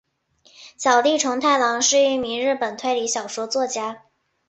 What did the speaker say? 小栗虫太郎是一名日本推理小说作家。